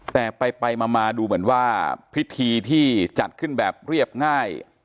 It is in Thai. แต่ไปมาดูเหมือนว่าพิธีที่จัดขึ้นแบบเรียบง่าย